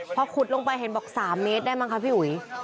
พอขุดลงไปเห็นบอก๓เมตรได้มั้งคะพี่อุ๋ย